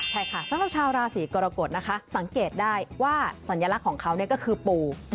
ใช่ค่ะสำหรับชาวราศีกรกฎนะคะสังเกตได้ว่าสัญลักษณ์ของเขาก็คือปู